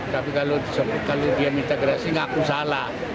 tapi kalau dia minta gerasi ngaku salah